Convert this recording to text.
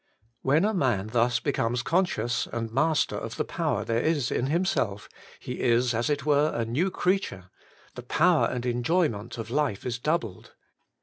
When a man thus becomes conscious and master of the power there is in himself he is, as it were, a new creature ; the power and enjoyment of life is doubled.